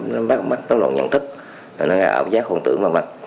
nó bắt mắt nó lộn nhận thức nó gây ảo giác khuôn tưởng vào mặt